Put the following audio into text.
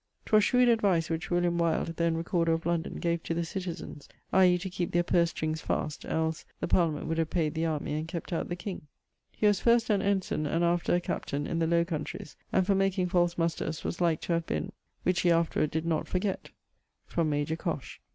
'Twas shrewd advice which Wyld, then Recorder of London, gave to the citizens, i.e. to keep their purse strings fast; els, the Parliament would have payed the army and kept out the king. He was first an ensigne, and after a captain, in the Lowe countreys, and for making false musters was like to have been ... which he afterward did not forget: from major Cosh.